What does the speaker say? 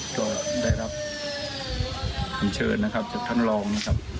ก็ได้รับคำเชิญนะครับจากท่านรองนะครับ